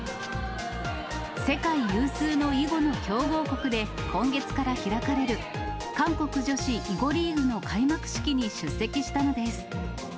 世界有数の囲碁の強豪国で今月から開かれる、韓国女子囲碁リーグの開幕式に出席したのです。